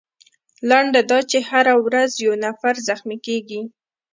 لنډه دا چې هره ورځ یو نفر زخمي کیږي.